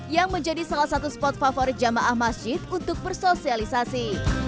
yang menjadi salah satu spot favorit jamaah masjid untuk bersosialisasi